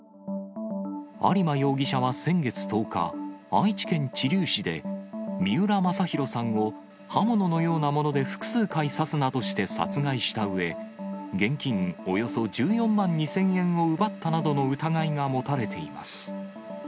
有馬容疑者は先月１０日、愛知県知立市で、三浦正裕さんを刃物のようなもので複数回刺すなどして殺害したうえ、現金およそ１４万２０００円を奪ったなどの疑いが持たれています。